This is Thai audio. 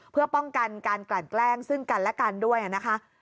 เพื่อป้องกันการกลั่นแกล้งซึ่งกันและกันด้วยนะคะ